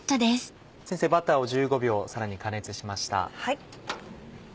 先生バターを１５秒さらに加熱しました。